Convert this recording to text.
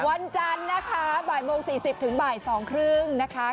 วันจันทร์นะคะบ่ายโมง๔๐ถึงบ่าย๒๓๐นะคะ